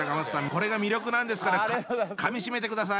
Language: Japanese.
これが魅力なんですからかみしめてください。